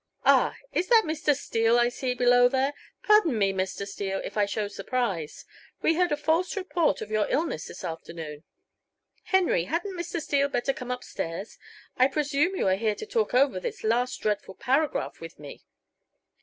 Ah! is that Mr. Steele I see below there? Pardon me, Mr. Steele, if I show surprise. We heard a false report of your illness this afternoon. Henry, hadn't Mr. Steele better come up stairs? I presume you are here to talk over this last dreadful paragraph with me."